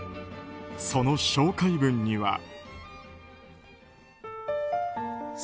その紹介文には。